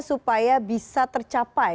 supaya bisa tercapai